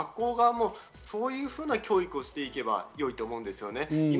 学校側もそういうような教育をしていけばいいと思うんですよね。